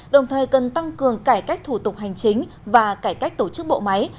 đồng thời cần tăng cường cải cách thủ tục hành chính và cải cách tổ chức bộ máy